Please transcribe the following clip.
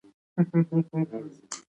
د وزن کمولو لپاره باید څه شی وڅښم؟